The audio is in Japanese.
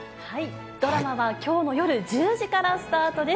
ドラマはきょうの夜１０時からスタートです。